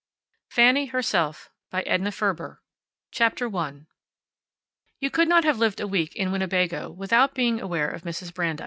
FANNY HERSELF CHAPTER ONE You could not have lived a week in Winnebago without being aware of Mrs. Brandeis.